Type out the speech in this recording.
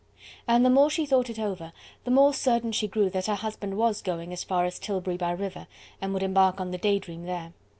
And the more she thought it over, the more certain she grew that her husband was going as far as Tilbury by river and would embark on the "Day Dream" there.